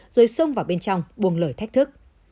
rồi xông vào bên trong buông lời thách thức